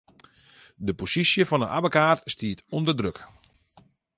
De posysje fan 'e abbekaat stiet ûnder druk.